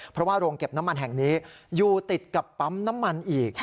เพราะว่าโรงเก็บน้ำมันแห่งนี้อยู่ติดกับปั๊มน้ำมันอีก